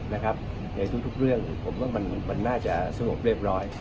ในทุกเรื่องผมว่ามันน่าจะสงบเรียบร้อย